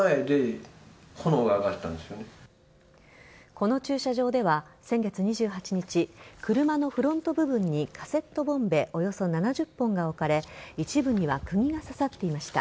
この駐車場では先月２８日車のフロント部分にカセットボンベおよそ７０本が置かれ一部には釘が刺さっていました。